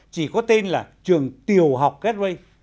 chỉ có tên là trường tiều học gateway